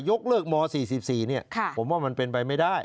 ยกเลิกหมอสี่สี่สี่เนี่ยค่ะผมว่ามันเป็นไปไม่ได้